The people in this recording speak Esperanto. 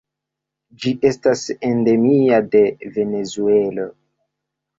Ĝi estas endemia de Venezuelo.